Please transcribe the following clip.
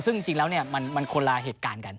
ซึ่งจริงแล้วมันคนละเหตุการณ์กัน